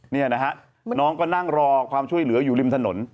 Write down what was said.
นี่นะฮะน้องก็นั่งรอความช่วยเหลืออยู่ริมถนน